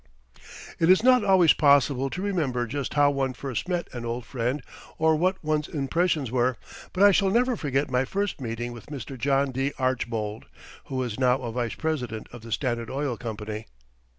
It is not always possible to remember just how one first met an old friend or what one's impressions were, but I shall never forget my first meeting with Mr. John D. Archbold, who is now a vice president of the Standard Oil Company.